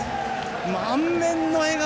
満面の笑顔！